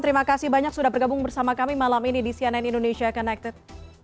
terima kasih banyak sudah bergabung bersama kami malam ini di cnn indonesia connected